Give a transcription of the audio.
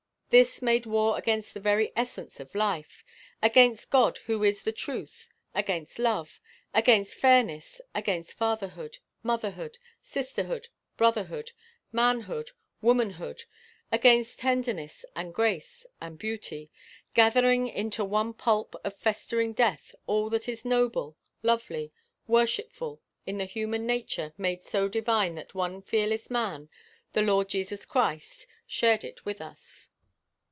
This made war against the very essence of life, against God who is the truth, against love, against fairness, against fatherhood, motherhood, sisterhood, brotherhood, manhood, womanhood, against tenderness and grace and beauty, gathering into one pulp of festering death all that is noble, lovely, worshipful in the human nature made so divine that the one fearless man, the Lord Jesus Christ, shared it with us.